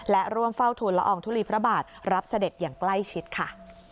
และร่วมเฝ้าทุนละอองทุลีพระบาทรับเสด็จอย่างใกล้ชิดค่ะ